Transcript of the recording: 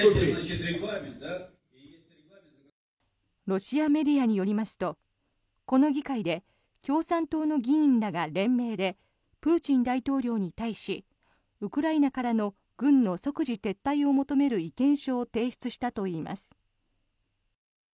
ロシアメディアによりますとこの議会で共産党の議員らが連名でプーチン大統領に対しウクライナからの軍の即時撤退を求める意見書を提出したといいます。